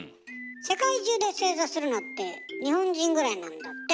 世界中で正座するのって日本人ぐらいなんだって。